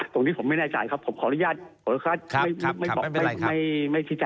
ตรงนี้ผมไม่น่าจะจัดครับผมขออนุญาต